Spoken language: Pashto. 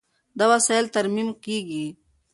دا وسایل ترمیم کېږي.